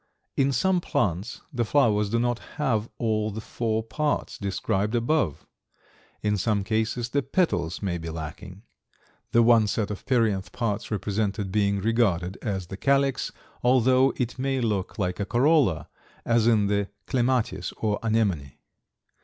In some plants the flowers do not have all the four parts described above. In some cases the petals may be lacking, the one set of perianth parts represented being regarded as the calyx, although it may look like a corolla, as in the clematis or anemone.